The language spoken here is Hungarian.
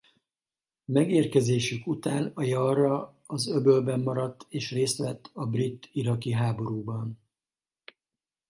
Megérkezésük után a Yarra az öbölben maradt és részt vett a brit–iraki háborúban.